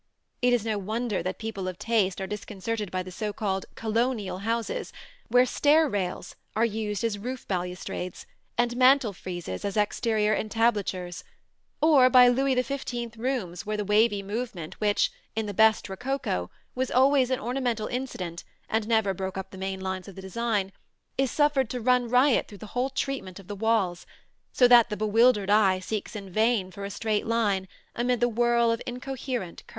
It is no wonder that people of taste are disconcerted by the so called "colonial" houses where stair rails are used as roof balustrades and mantel friezes as exterior entablatures, or by Louis XV rooms where the wavy movement which, in the best rococo, was always an ornamental incident and never broke up the main lines of the design, is suffered to run riot through the whole treatment of the walls, so that the bewildered eye seeks in vain for a straight line amid the whirl of incoherent curves.